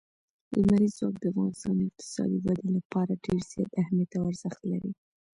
لمریز ځواک د افغانستان د اقتصادي ودې لپاره ډېر زیات اهمیت او ارزښت لري.